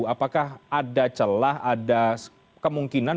apakah ada celah ada kemungkinan